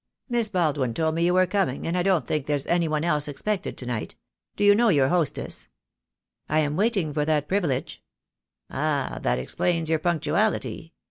"Miss Baldwin told me you were coming, and I don't think there's any one else expected to night. Do you know your hostess?" "I am waiting for that privilege." "Ah! that explains your punctuality.